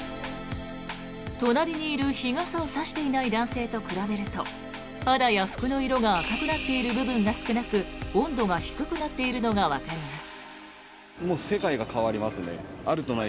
隣にいる日傘を差していない男性と比べると肌や服の色が赤くなっている部分が少なく温度が低くなっているのがわかります。